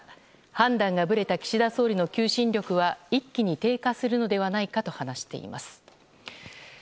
判断がぶれた岸田総理の求心力は一気に低下するのではないかと話しています。